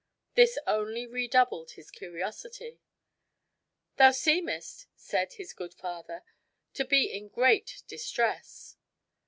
This only redoubled his curiosity. "Thou seemest," said this good father, "to be in great distress."